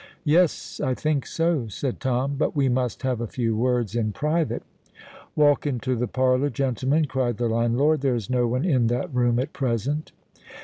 "Yes—I think so," said Tom. "But we must have a few words in private." "Walk into the parlour, gentlemen," cried the landlord. "There's no one in that room at present."